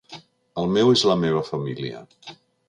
El meu és la meva família.